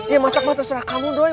ya masaklah terserah kamu doi